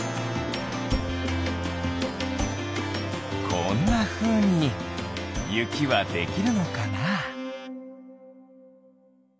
こんなふうにゆきはできるのかな？